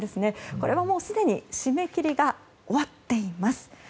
これはすでに締め切りが終わっています。